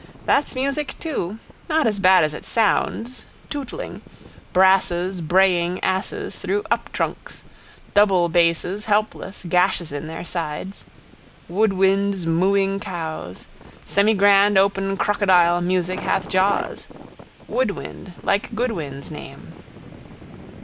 That's music too. Not as bad as it sounds. Tootling. Brasses braying asses through uptrunks. Doublebasses helpless, gashes in their sides. Woodwinds mooing cows. Semigrand open crocodile music hath jaws. Woodwind like Goodwin's name.